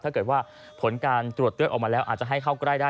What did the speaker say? ถ้าเกิดว่าผลการตรวจเลือดออกมาแล้วอาจจะให้เข้าใกล้ได้